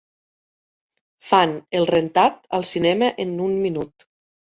Fan "El rentat" al cinema en un minut